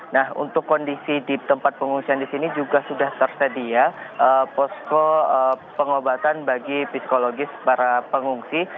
nah untuk kondisi di tempat pengungsian di sini juga sudah tersedia posko pengobatan bagi psikologis para pengungsi